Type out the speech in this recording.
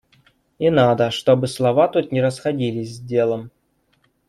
И надо, чтобы слова тут не расходились с делом.